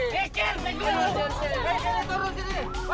nih jil dulu